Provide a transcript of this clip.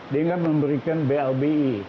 dengan memberikan blbi